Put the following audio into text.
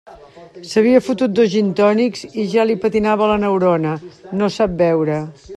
S'havia fotut dos gintònics i ja li patinava la neurona; no sap beure.